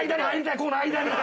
ここの間に！